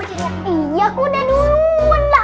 tapi aku duluan yang liat